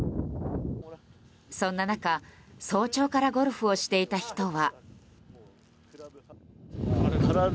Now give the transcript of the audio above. そんな中、早朝からゴルフをしていた人は。